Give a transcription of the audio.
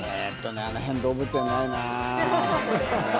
あの辺、動物園ないな。